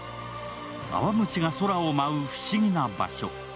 泡虫が空を舞う不思議な場所。